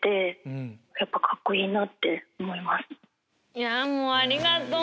いやんもうありがとう！